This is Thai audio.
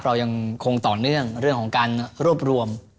เรายังคงต่อเนื่องเรื่องของการรวบรวม